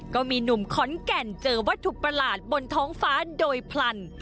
ก็มีหนุ่มขอนแก่นเจอวัตถุประหลาดบนท้องฟ้าโดยพลัน